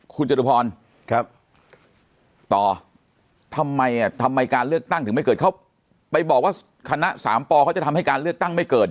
คุณจตุภรณ์ต่อทำไมอ่ะทำไมการเลือดตั้งถึงไม่เกิด